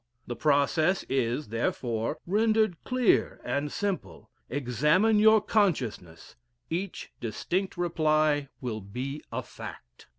The process is, therefore, rendered clear and simple: examine your consciousness each distinct reply will be a fact.